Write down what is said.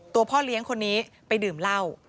พ่อเลี้ยงคนนี้ไปดื่มเหล้า